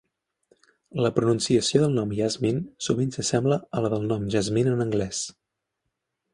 La pronunciació del nom Yasmin sovint s'assembla a la del nom Jasmine en anglès.